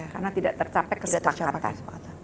karena tidak tercapai kesepakatan